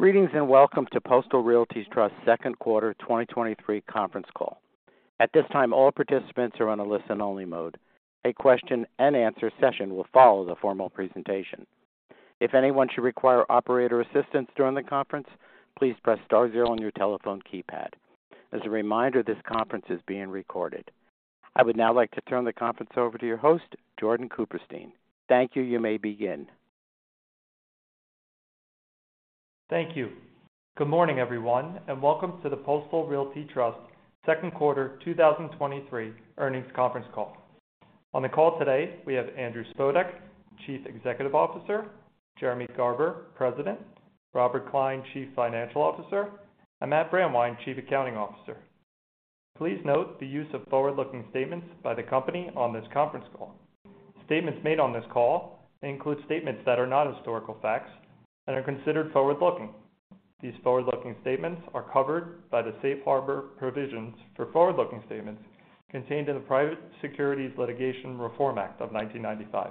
Greetings, welcome to Postal Realty Trust's Q2 2023 conference call. At this time, all participants are on a listen-only mode. A question and answer session will follow the formal presentation. If anyone should require operator assistance during the conference, please press star zero on your telephone keypad. As a reminder, this conference is being recorded. I would now like to turn the conference over to your host, Jordan Cooperstein. Thank you. You may begin. Thank you. Good morning, everyone, and welcome to the Postal Realty Trust Q2 2023 earnings conference call. On the call today, we have Andrew Spodek, Chief Executive Officer; Jeremy Garber, President; Robert Klein, Chief Financial Officer; and Matt Brandwein, Chief Accounting Officer. Please note the use of forward-looking statements by the company on this conference call. Statements made on this call include statements that are not historical facts and are considered forward-looking. These forward-looking statements are covered by the safe harbor provisions for forward-looking statements contained in the Private Securities Litigation Reform Act of 1995.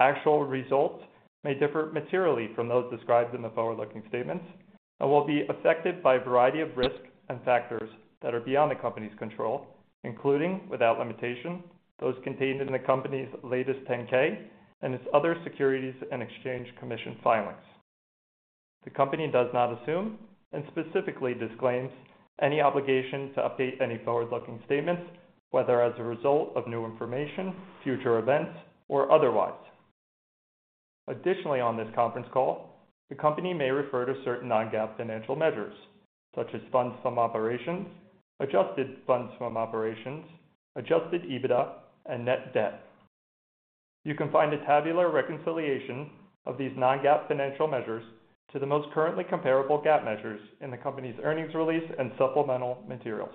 Actual results may differ materially from those described in the forward-looking statements and will be affected by a variety of risks and factors that are beyond the company's control, including, without limitation, those contained in the company's latest 10-K and its other Securities and Exchange Commission filings. The company does not assume, and specifically disclaims, any obligation to update any forward-looking statements, whether as a result of new information, future events, or otherwise. Additionally, on this conference call, the company may refer to certain non-GAAP financial measures, such as funds from operations, adjusted funds from operations, adjusted EBITDA, and net debt. You can find a tabular reconciliation of these non-GAAP financial measures to the most currently comparable GAAP measures in the company's earnings release and supplemental materials.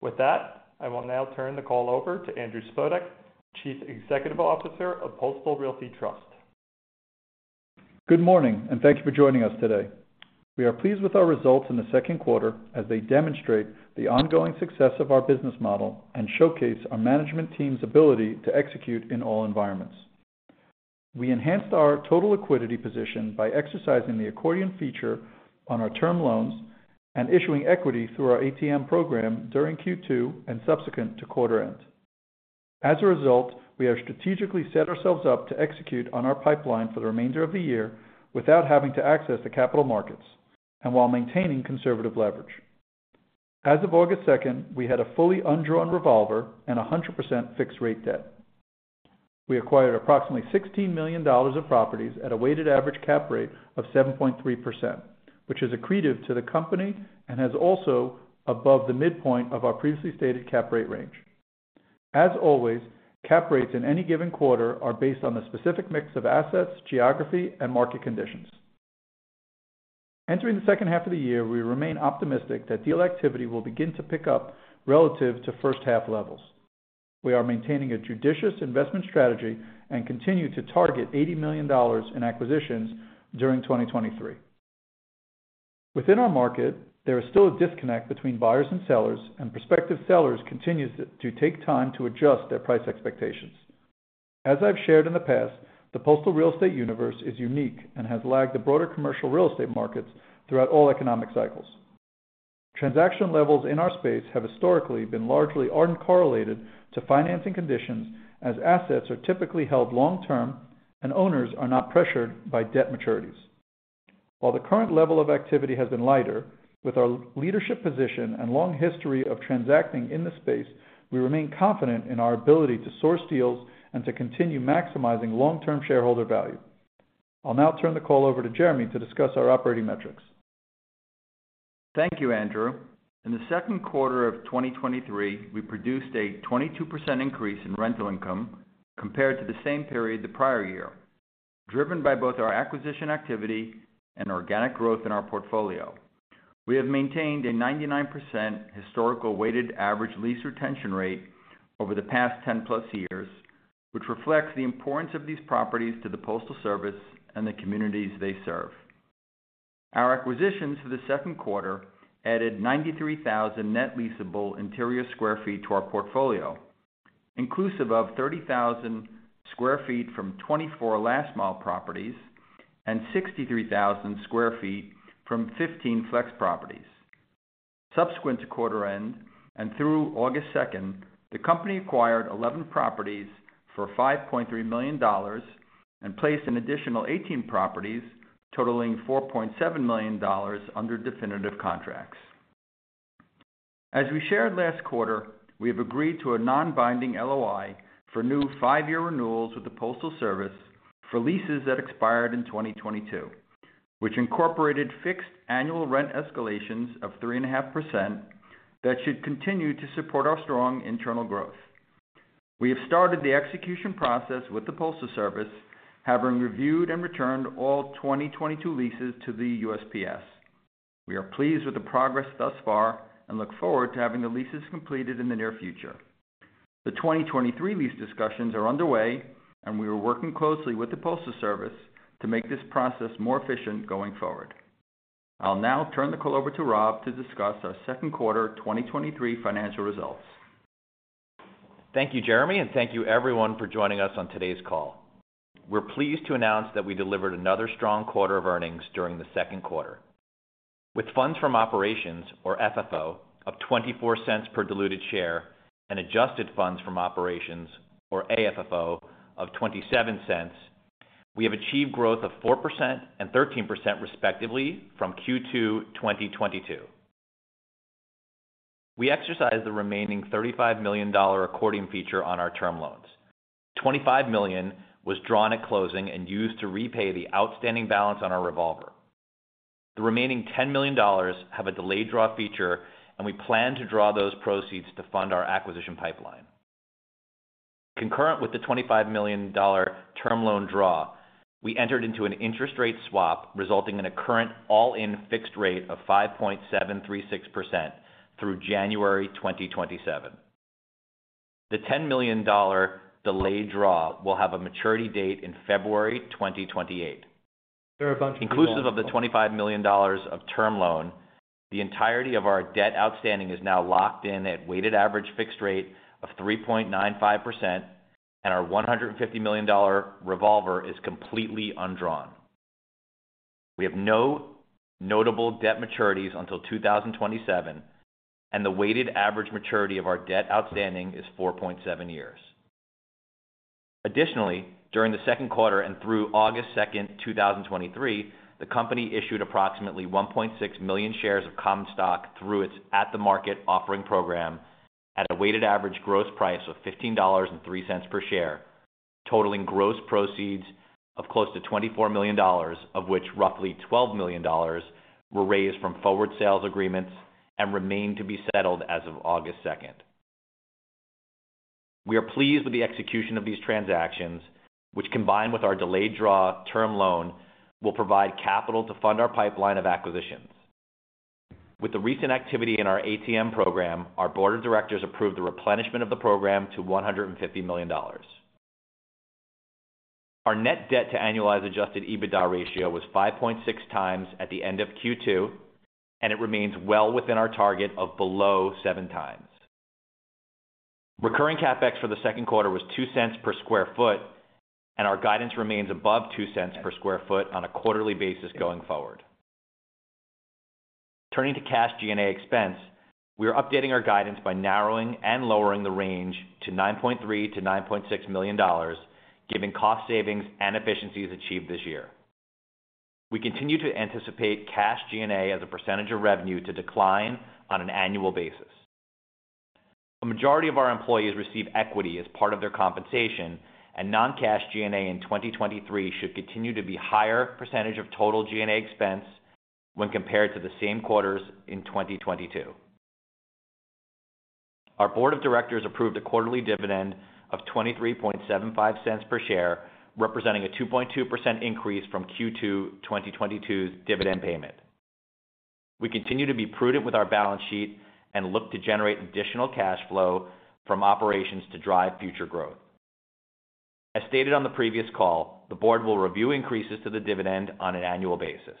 With that, I will now turn the call over to Andrew Spodek, Chief Executive Officer of Postal Realty Trust. Good morning, thank you for joining us today. We are pleased with our results in the Q2, as they demonstrate the ongoing success of our business model and showcase our management team's ability to execute in all environments. We enhanced our total liquidity position by exercising the accordion feature on our term loans and issuing equity through our ATM program during Q2 and subsequent to quarter end. As a result, we have strategically set ourselves up to execute on our pipeline for the remainder of the year without having to access the capital markets and while maintaining conservative leverage. As of August 2nd, we had a fully undrawn revolver and a 100% fixed rate debt. We acquired approximately $16 million of properties at a weighted average cap rate of 7.3%, which is accretive to the company and has also above the midpoint of our previously stated cap rate range. As always, cap rates in any given quarter are based on the specific mix of assets, geography, and market conditions. Entering the second half of the year, we remain optimistic that deal activity will begin to pick up relative to first half levels. We are maintaining a judicious investment strategy and continue to target $80 million in acquisitions during 2023. Within our market, there is still a disconnect between buyers and sellers, and prospective sellers continues to take time to adjust their price expectations. As I've shared in the past, the postal real estate universe is unique and has lagged the broader commercial real estate markets throughout all economic cycles. Transaction levels in our space have historically been largely uncorrelated to financing conditions, as assets are typically held long-term and owners are not pressured by debt maturities. While the current level of activity has been lighter, with our leadership position and long history of transacting in the space, we remain confident in our ability to source deals and to continue maximizing long-term shareholder value. I'll now turn the call over to Jeremy to discuss our operating metrics. Thank you, Andrew. In the Q2 of 2023, we produced a 22% increase in rental income compared to the same period the prior year, driven by both our acquisition activity and organic growth in our portfolio. We have maintained a 99% historical weighted average lease retention rate over the past 10+ years, which reflects the importance of these properties to the Postal Service and the communities they serve. Our acquisitions for the Q2 added 93,000 net leasable interior sq ft to our portfolio, inclusive of 30,000 sq ft from 24 last-mile properties and 63,000 sq ft from 15 flex properties. Subsequent to quarter end and through August 2nd, the company acquired 11 properties for $5.3 million and placed an additional 18 properties totaling $4.7 million under definitive contracts. As we shared last quarter, we have agreed to a non-binding LOI for new five-year renewals with the Postal Service for leases that expired in 2022, which incorporated fixed annual rent escalations of 3.5% that should continue to support our strong internal growth. We have started the execution process with the Postal Service, having reviewed and returned all 2022 leases to the USPS. We are pleased with the progress thus far and look forward to having the leases completed in the near future. The 2023 lease discussions are underway, and we are working closely with the Postal Service to make this process more efficient going forward. I'll now turn the call over to Rob to discuss our Q2 2023 financial results. Thank you, Jeremy, and thank you everyone for joining us on today's call. We're pleased to announce that we delivered another strong quarter of earnings during the Q2. With funds from operations or FFO of $0.24 per diluted share and adjusted funds from operations or AFFO of $0.27, we have achieved growth of 4% and 13% respectively from Q2, 2022. We exercised the remaining $35 million accordion feature on our term loans. $25 million was drawn at closing and used to repay the outstanding balance on our revolver. The remaining $10 million have a delayed draw feature, and we plan to draw those proceeds to fund our acquisition pipeline. Concurrent with the $25 million term loan draw, we entered into an interest rate swap, resulting in a current all-in fixed rate of 5.736% through January 2027. The $10 million delayed draw will have a maturity date in February 2028. Inclusive of the $25 million of term loan, the entirety of our debt outstanding is now locked in at weighted average fixed rate of 3.95%, and our $150 million revolver is completely undrawn. We have no notable debt maturities until 2027, and the weighted average maturity of our debt outstanding is 4.7 years. Additionally, during the Q2 and through August 2, 2023, the company issued approximately 1.6 million shares of common stock through its at-the-market offering program at a weighted average gross price of $15.03 per share, totaling gross proceeds of close to $24 million, of which roughly $12 million were raised from forward sales agreements and remained to be settled as of August 2. We are pleased with the execution of these transactions, which, combined with our delayed draw term loan, will provide capital to fund our pipeline of acquisitions. With the recent activity in our ATM program, our board of directors approved the replenishment of the program to $150 million. Our net debt to annualized adjusted EBITDA ratio was 5.6x at the end of Q2, and it remains well within our target of below 7x. Recurring CapEx for the Q2 was $0.02 per sq ft, and our guidance remains above $0.02 per sq ft on a quarterly basis going forward. Turning to cash G&A expense, we are updating our guidance by narrowing and lowering the range to $9.3 million-$9.6 million, giving cost savings and efficiencies achieved this year. We continue to anticipate cash G&A as a percentage of revenue to decline on an annual basis. A majority of our employees receive equity as part of their compensation, and non-cash G&A in 2023 should continue to be higher percentage of total G&A expense when compared to the same quarters in 2022. Our board of directors approved a quarterly dividend of $0.2375 per share, representing a 2.2% increase from Q2 2022's dividend payment. We continue to be prudent with our balance sheet and look to generate additional cash flow from operations to drive future growth. As stated on the previous call, the board will review increases to the dividend on an annual basis.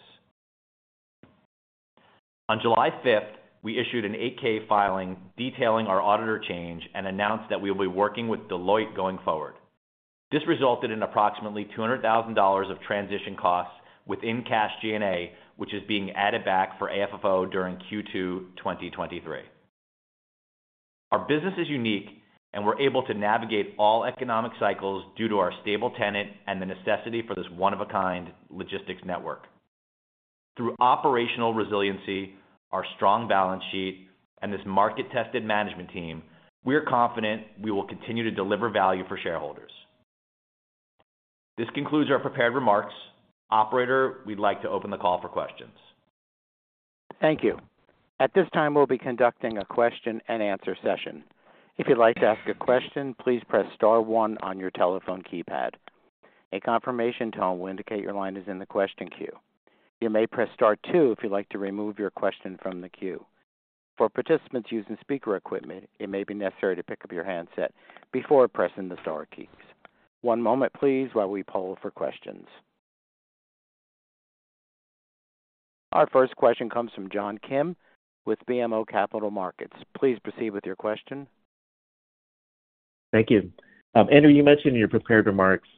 On July 5, we issued an 8-K filing, detailing our auditor change and announced that we will be working with Deloitte going forward. This resulted in approximately $200,000 of transition costs within cash G&A, which is being added back for AFFO during Q2 2023. Our business is unique, and we're able to navigate all economic cycles due to our stable tenant and the necessity for this one-of-a-kind logistics network. Through operational resiliency, our strong balance sheet, and this market-tested management team, we are confident we will continue to deliver value for shareholders. This concludes our prepared remarks. Operator, we'd like to open the call for questions. Thank you. At this time, we'll be conducting a question and answer session. If you'd like to ask a question, please press star one on your telephone keypad. A confirmation tone will indicate your line is in the question queue. You may press star two if you'd like to remove your question from the queue. For participants using speaker equipment, it may be necessary to pick up your handset before pressing the star keys. One moment please, while we poll for questions. Our first question comes from John Kim with BMO Capital Markets. Please proceed with your question. Thank you. Andrew, you mentioned in your prepared remarks,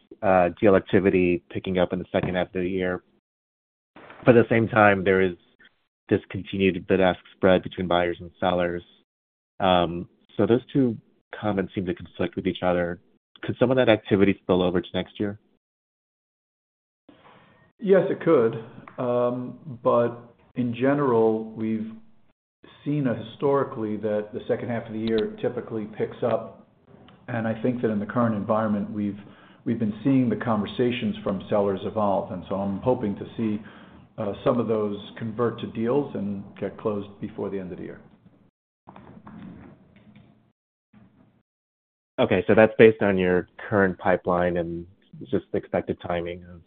deal activity picking up in the second half of the year. At the same time, there is this continued bid-ask spread between buyers and sellers. Those two comments seem to conflict with each other. Could some of that activity spill over to next year? Yes, it could. In general, we've seen historically that the second half of the year typically picks up, and I think that in the current environment, we've, we've been seeing the conversations from sellers evolve, and so I'm hoping to see, some of those convert to deals and get closed before the end of the year. Okay. That's based on your current pipeline and just the expected timing of-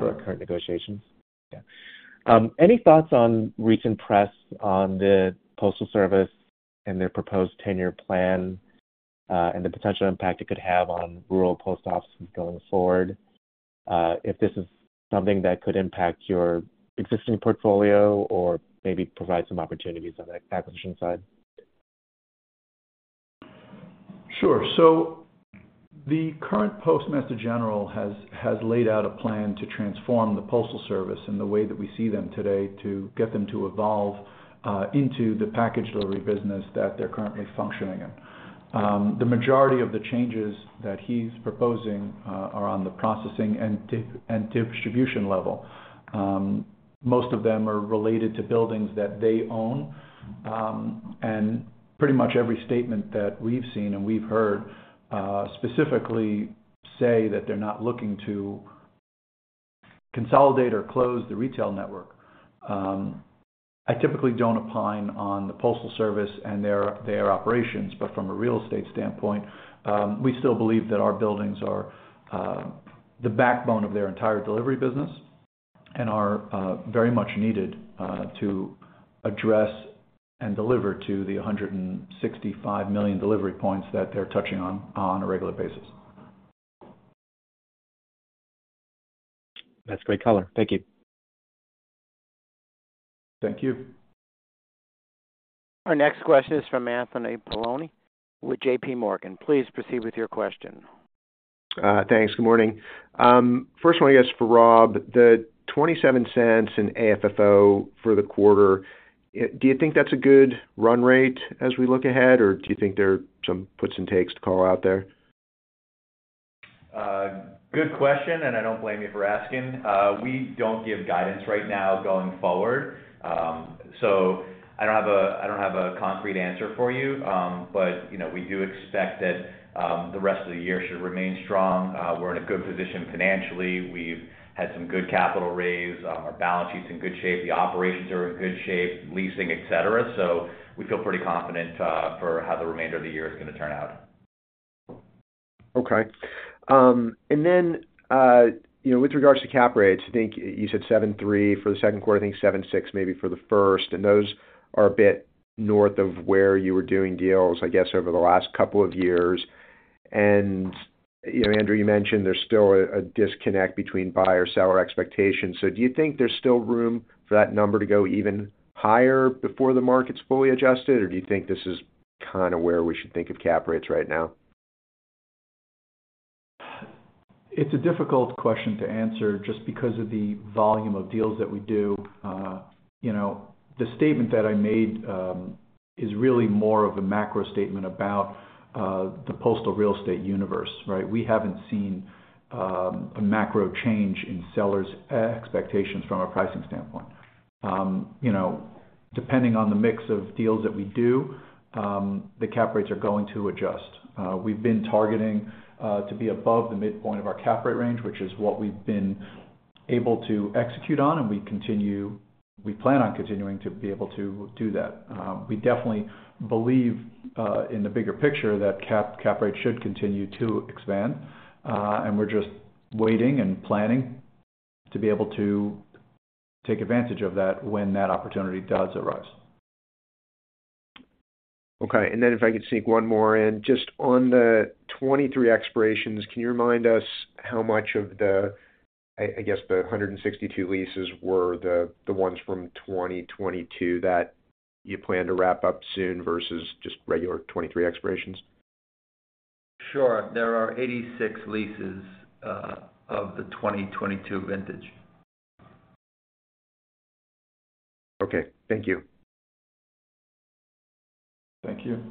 Correct. current negotiations? Yeah. Any thoughts on recent press on the Postal Service and their proposed tenure plan, and the potential impact it could have on rural post offices going forward? If this is something that could impact your existing portfolio or maybe provide some opportunities on the acquisition side? Sure. The current Postmaster General has, has laid out a plan to transform the Postal Service and the way that we see them today, to get them to evolve into the package delivery business that they're currently functioning in. The majority of the changes that he's proposing are on the processing and distribution level. Most of them are related to buildings that they own. Pretty much every statement that we've seen and we've heard specifically say that they're not looking to consolidate or close the retail network. I typically don't opine on the Postal Service and their, their operations, but from a real estate standpoint, we still believe that our buildings are the backbone of their entire delivery business, and are very much needed to address and deliver to the 165 million delivery points that they're touching on, on a regular basis. That's great color. Thank you. Thank you. Our next question is from Anthony Paolone with J.P. Morgan. Please proceed with your question. Thanks. Good morning. First one I guess, for Rob, the $0.27 in AFFO for the quarter, do you think that's a good run rate as we look ahead? Or do you think there are some puts and takes to call out there? Good question. I don't blame you for asking. We don't give guidance right now going forward. I don't have a, I don't have a concrete answer for you. You know, we do expect that the rest of the year should remain strong. We're in a good position financially. We've had some good capital raises. Our balance sheet's in good shape, the operations are in good shape, leasing, et cetera. We feel pretty confident for how the remainder of the year is going to turn out. Okay. You know, with regards to cap rates, I think you said 7.3 for the Q2, I think 7.6 maybe for the first, those are a bit north of where you were doing deals, I guess, over the last couple of years. You know, Andrew, you mentioned there's still a, a disconnect between buyer-seller expectations. Do you think there's still room for that number to go even higher before the market's fully adjusted, or do you think this is kind of where we should think of cap rates right now? It's a difficult question to answer, just because of the volume of deals that we do. You know, the statement that I made is really more of a macro statement about the postal real estate universe, right? We haven't seen a macro change in sellers' expectations from a pricing standpoint. You know, depending on the mix of deals that we do, the cap rates are going to adjust. We've been targeting to be above the midpoint of our cap rate range, which is what we've been able to execute on, and we plan on continuing to be able to do that. We definitely believe in the bigger picture, that cap rates should continue to expand, and we're just waiting and planning to be able to take advantage of that when that opportunity does arise. Okay. Then if I could sneak one more in. Just on the 23 expirations, can you remind us how much of the, I guess, the 162 leases were the ones from 2022 that you plan to wrap up soon versus just regular 23 expirations? Sure. There are 86 leases of the 2022 vintage. Okay, thank you. Thank you.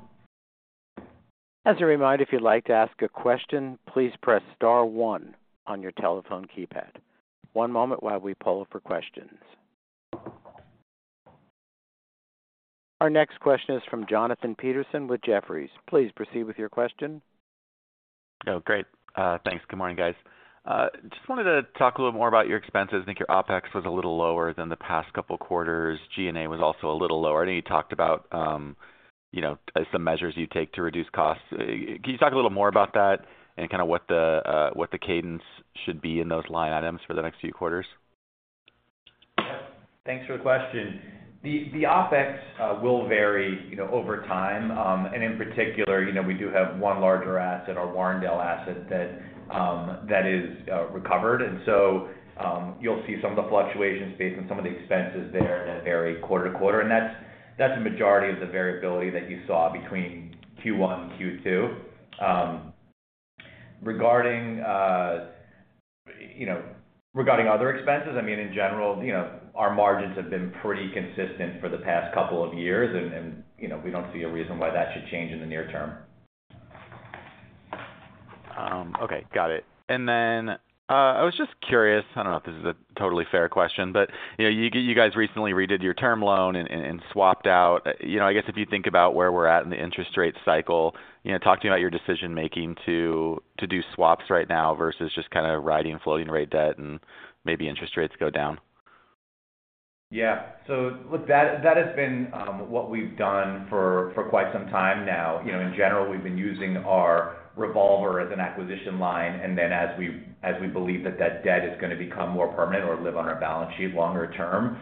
As a reminder, if you'd like to ask a question, please press star 1 on your telephone keypad. One moment while we poll for questions. Our next question is from Jonathan Petersen with Jefferies. Please proceed with your question. Oh, great. Thanks. Good morning, guys. Just wanted to talk a little more about your expenses. I think your OpEx was a little lower than the past 2 quarters. G&A was also a little lower. You talked about, you know, as the measures you take to reduce costs. Can you talk a little more about that and kind of what the cadence should be in those line items for the next few quarters? Yep. Thanks for the question. The, the OpEx will vary, you know, over time. In particular, you know, we do have one larger asset, our Warrendale asset, that that is recovered. So, you'll see some of the fluctuations based on some of the expenses there that vary quarter to quarter, and that's, that's the majority of the variability that you saw between Q1 and Q2. Regarding, you know, regarding other expenses, I mean, in general, you know, our margins have been pretty consistent for the past couple of years and, and, you know, we don't see a reason why that should change in the near term. Okay, got it. I was just curious, I don't know if this is a totally fair question, but, you know, you g- you guys recently redid your term loan and, and swapped out. You know, I guess if you think about where we're at in the interest rate cycle, you know, talk to me about your decision-making to, to do swaps right now versus just kind of riding floating rate debt and maybe interest rates go down. Yeah. So look, that, that has been what we've done for, for quite some time now. You know, in general, we've been using our revolver as an acquisition line, and then as we, as we believe that that debt is going to become more permanent or live on our balance sheet longer term,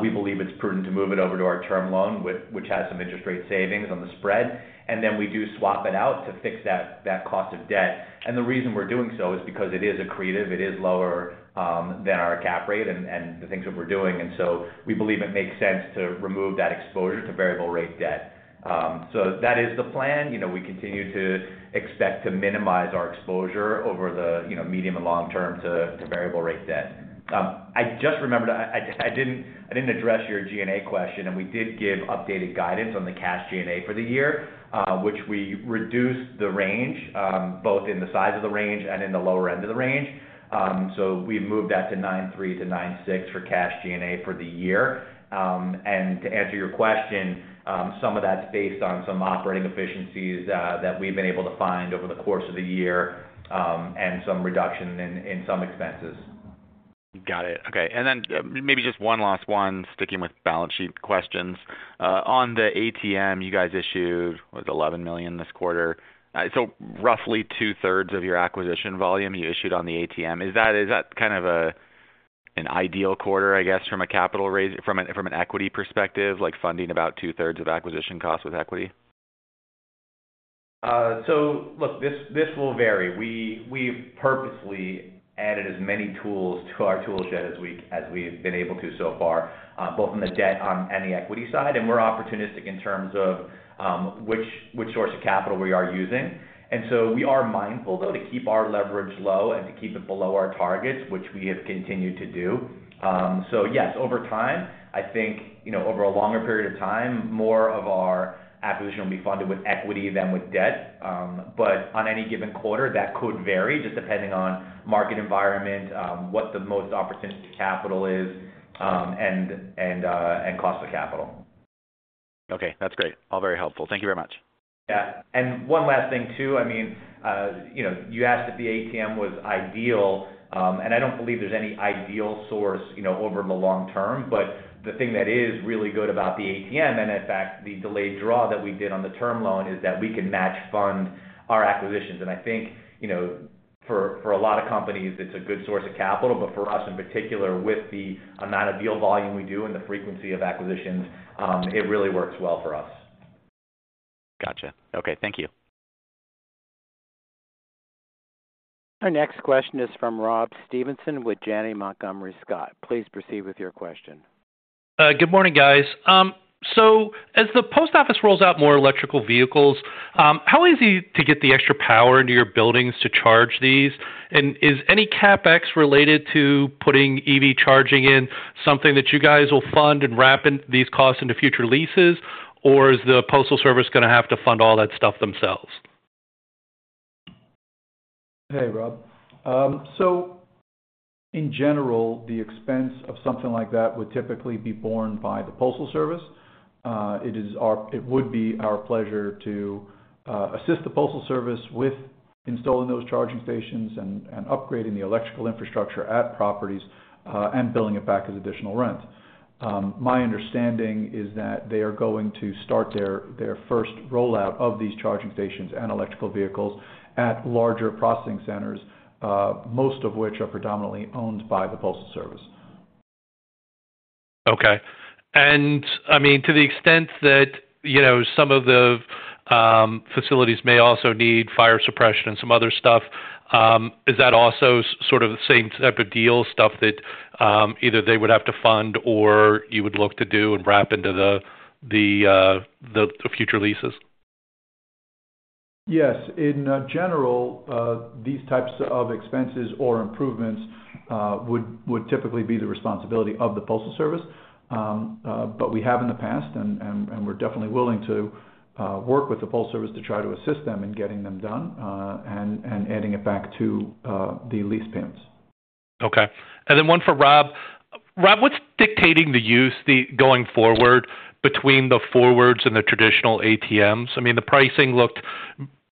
we believe it's prudent to move it over to our term loan, which, which has some interest rate savings on the spread, and then we do swap it out to fix that, that cost of debt. The reason we're doing so is because it is accretive, it is lower than our cap rate and, and the things that we're doing. We believe it makes sense to remove that exposure to variable rate debt. That is the plan. You know, we continue to expect to minimize our exposure over the, you know, medium and long term to, to variable rate debt. I just remembered, I, I, I didn't, I didn't address your G&A question. We did give updated guidance on the cash G&A for the year, which we reduced the range, both in the size of the range and in the lower end of the range. We've moved that to $9.3 million-$9.6 million for cash G&A for the year. To answer your question, some of that's based on some operating efficiencies that we've been able to find over the course of the year, and some reduction in, in some expenses. Got it. Okay, and then maybe just one last one, sticking with balance sheet questions. On the ATM, you guys issued, what, $11 million this quarter? Roughly two-thirds of your acquisition volume you issued on the ATM. Is that, is that kind of a, an ideal quarter, I guess, from a capital raise-- from an equity perspective, like funding about two-thirds of acquisition costs with equity? Look, this, this will vary. We, we've purposefully added as many tools to our tool shed as we, as we've been able to so far, both on the debt and the equity side. We're opportunistic in terms of which, which source of capital we are using. We are mindful, though, to keep our leverage low and to keep it below our targets, which we have continued to do. Yes, over time, I think, you know, over a longer period of time, more of our acquisition will be funded with equity than with debt. On any given quarter, that could vary just depending on market environment, what the most opportunistic capital is, and, and cost of capital. Okay, that's great. All very helpful. Thank you very much. Yeah. One last thing, too. I mean, you know, you asked if the ATM was ideal. I don't believe there's any ideal source, you know, over the long term. The thing that is really good about the ATM, and in fact, the delayed draw that we did on the term loan, is that we can match fund our acquisitions. I think, you know, for, for a lot of companies, it's a good source of capital, but for us in particular, with the amount of deal volume we do and the frequency of acquisitions, it really works well for us. Gotcha. Okay, thank you. Our next question is from Rob Stevenson with Janney Montgomery Scott. Please proceed with your question. Good morning, guys. As the post office rolls out more electric vehicles, how easy to get the extra power into your buildings to charge these? Is any CapEx related to putting EV charging in something that you guys will fund and wrap in these costs into future leases, or is the Postal Service gonna have to fund all that stuff themselves? Hey, Rob. In general, the expense of something like that would typically be borne by the Postal Service. It would be our pleasure to assist the Postal Service with installing those charging stations and upgrading the electrical infrastructure at properties and billing it back as additional rent. My understanding is that they are going to start their first rollout of these charging stations and electrical vehicles at larger processing centers, most of which are predominantly owned by the Postal Service. Okay. I mean, to the extent that, you know, some of the facilities may also need fire suppression and some other stuff, is that also sort of the same type of deal, stuff that either they would have to fund or you would look to do and wrap into the future leases? Yes. In general, these types of expenses or improvements would, would typically be the responsibility of the Postal Service. We have in the past, and, and, and we're definitely willing to work with the Postal Service to try to assist them in getting them done, and, and adding it back to the lease payments. Okay. Then one for Rob. Rob, what's dictating the use, the going forward between the forwards and the traditional ATMs? I mean, the pricing looked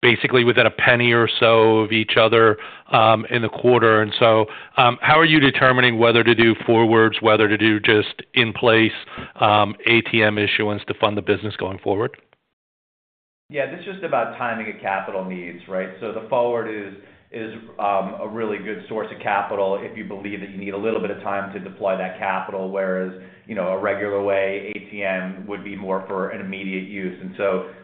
basically within $0.01 or so of each other in the quarter. So, how are you determining whether to do forwards, whether to do just in-place ATM issuance to fund the business going forward? Yeah, this is just about timing of capital needs, right? The forward is a really good source of capital if you believe that you need a little bit of time to deploy that capital, whereas, you know, a regular way ATM would be more for an immediate use.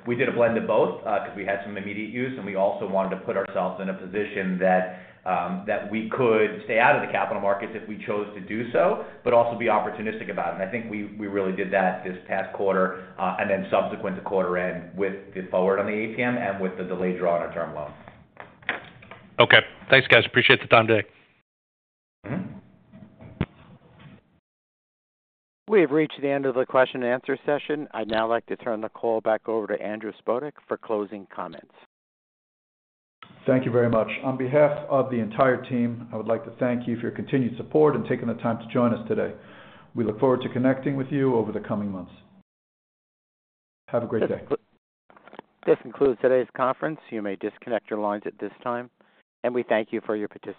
We did a blend of both, because we had some immediate use, and we also wanted to put ourselves in a position that we could stay out of the capital markets if we chose to do so, but also be opportunistic about it. I think we really did that this past quarter, and then subsequent to quarter end with the forward on the ATM and with the delayed draw on our term loan. Okay. Thanks, guys. Appreciate the time today. We have reached the end of the question and answer session. I'd now like to turn the call back over to Andrew Spodek for closing comments. Thank you very much. On behalf of the entire team, I would like to thank you for your continued support and taking the time to join us today. We look forward to connecting with you over the coming months. Have a great day. This concludes today's conference. You may disconnect your lines at this time, and we thank you for your participation.